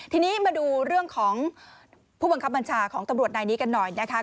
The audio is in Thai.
ทีนี้มาดูเรื่องของผู้บังคับบัญชาของตำรวจนายนี้กันหน่อยนะคะ